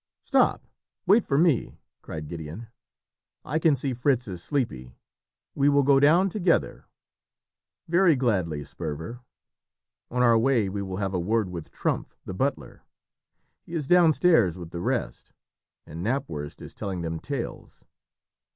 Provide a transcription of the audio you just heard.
"Stop wait for me," cried Gideon. "I can see Fritz is sleepy; we will go down together." "Very gladly, Sperver; on our way we will have a word with Trumpf, the butler. He is downstairs with the rest, and Knapwurst is telling them tales."